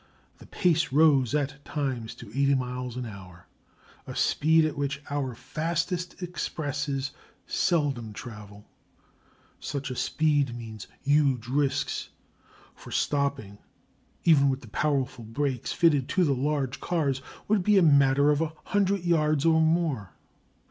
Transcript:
The pace rose at times to eighty miles an hour, a speed at which our fastest expresses seldom travel. Such a speed means huge risks, for stopping, even with the powerful brakes fitted to the large cars, would be a matter of a hundred yards or more.